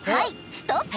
ストップ！